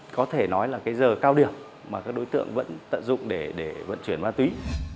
có thể nói là cái giờ cao điểm mà các đối tượng vẫn tận dụng để vận chuyển ma túy